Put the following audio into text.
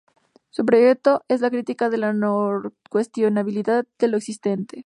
Su proyecto es la crítica de la no-cuestionabilidad de lo existente.